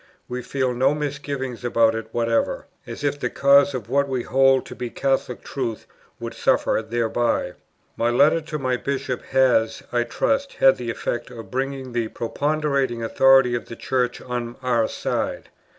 We feel no misgivings about it whatever, as if the cause of what we hold to be Catholic truth would suffer thereby. My letter to my Bishop has, I trust, had the effect of bringing the preponderating authority of the Church on our side.